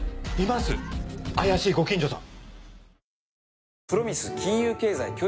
怪しいご近所さん。